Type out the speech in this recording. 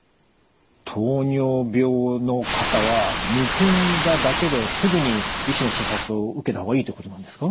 糖尿病の方はむくんだだけですぐに医師の診察を受けた方がいいってことなんですか？